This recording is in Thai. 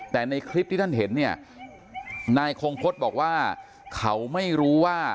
แต่ในคลิปที่ท่านเห็นเนี่ยนายคงพฤษบอกว่าเขาไม่รู้ว่า